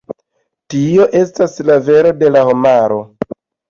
Tio estas la revo de la homaro.